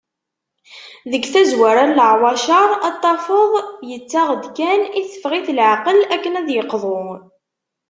Deg tazwara n leɛwacar, ad t-tafeḍ yettaɣ-d kan, itteffeɣ-it leɛqel akken ad d-yeqḍu.